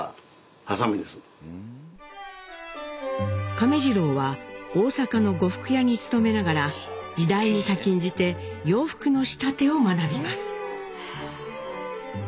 亀治郎は大阪の呉服屋に勤めながら時代に先んじて洋服の仕立てを学びます。